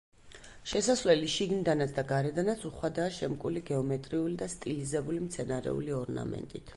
შესასვლელი შიგნიდანაც და გარედანაც უხვადაა შემკული გეომეტრიული და სტილიზებული მცენარეული ორნამენტით.